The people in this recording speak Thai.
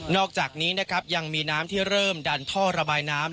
อกจากนี้นะครับยังมีน้ำที่เริ่มดันท่อระบายน้ำ